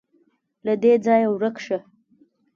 _له دې ځايه ورک شه.